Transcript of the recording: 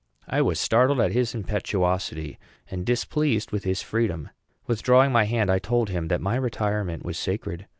I was startled at his impetuosity, and displeased with his freedom. Withdrawing my hand, I told him that my retirement was sacred.